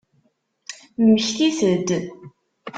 Mmektit-d!